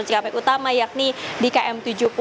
cikampek utama yakni di km tujuh puluh